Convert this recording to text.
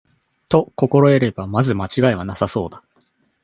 と心得れば、まず間違いはなさそうだ